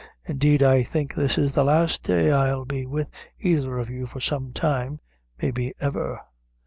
Indeed I think this is the last day I'll be with either of you for some time maybe ever."